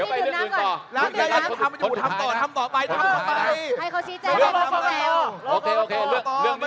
วันนี้จะไปเลือกหนึ่งหนึ่งก่อน